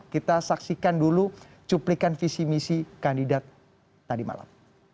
kita saksikan dulu cuplikan visi misi kandidat tadi malam